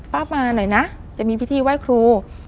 ป้ามาหน่อยนะจะมีพิธีไหว้ครู